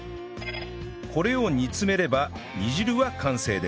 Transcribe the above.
これを煮詰めれば煮汁は完成です